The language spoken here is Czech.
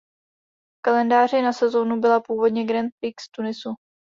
V kalendáři na sezónu byla původně Grand Prix Tunisu.